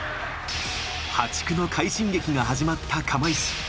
破竹の快進撃が始まった釜石。